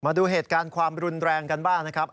มาดูเหตุการณ์ความรุนแรงกันบ้างนะครับ